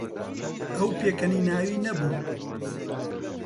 ئەو پێکەنیناوی نەبوو.